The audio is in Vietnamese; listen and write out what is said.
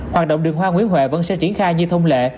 hoạt động đường hoa nguyễn huệ vẫn sẽ triển khai như thông lệ